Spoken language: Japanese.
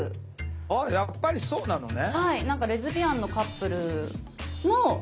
ああやっぱりそうなのね。